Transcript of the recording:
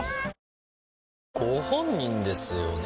あご本人ですよね？